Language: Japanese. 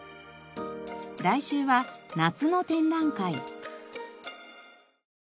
来週は夏の展覧会。